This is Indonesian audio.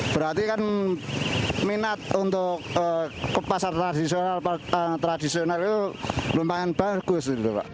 berarti kan minat untuk ke pasar tradisional tradisional itu lumayan bagus